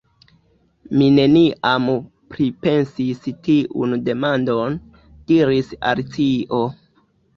"Mi neniam pripensis tiun demandon," diris Alicio.